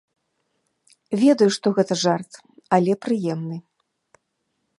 Ведаю, што гэта жарт, але прыемны.